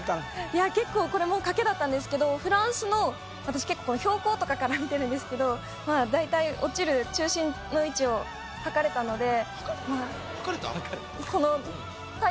いや結構これも賭けだったんですけどフランスの私結構標高とかから見てるんですけど大体落ちる中心の位置をはかれたのではかれた？